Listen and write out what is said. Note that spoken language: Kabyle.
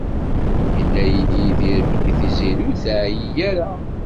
Yenna-yi-d Yidir belli Tiziri ur teεyi ara.